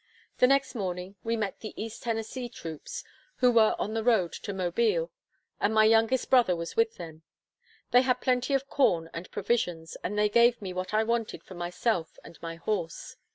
The next morning we met the East Tennessee troops, who were on their road to Mobile, and my youngest brother was with them. They had plenty of corn and provisions, and they gave me what I wanted for myself and my horse.